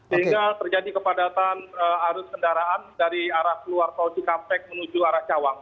sehingga terjadi kepadatan arus kendaraan dari arah keluar tol cikampek menuju arah cawang